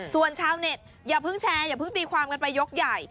ส่วนชาวเน็ตอย่าเพิ่งแชร์อย่าเพิ่งตีความกันไปยกใหญ่